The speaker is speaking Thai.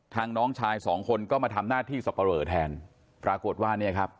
น้องชายสองคนก็มาทำหน้าที่สับปะเรอแทนปรากฏว่าเนี่ยครับ